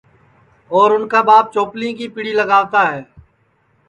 اور اُن کا ٻاپ چوپلی کی پیڑی لگاوتا ہے